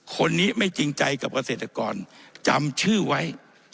คนนี้ไม่จริงใจกับเกษตรกรจำชื่อไว้